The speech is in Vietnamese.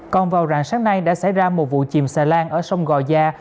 còn vào rạng sáng nay đã xảy ra một vụ chìm xà lan ở sông gò gia